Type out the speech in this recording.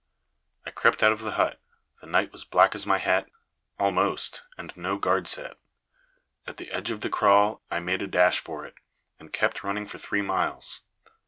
I crept out of the hut. The night was black as my hat, almost, and no guard set. At the edge of the kraal I made a dash for it, and kept running for three miles.